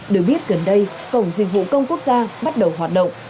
được biết gần đây cổng dịch vụ công quốc gia bắt đầu hoạt động